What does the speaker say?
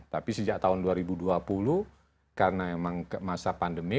tapi sejak tahun dua ribu dua puluh karena emang masa pandemi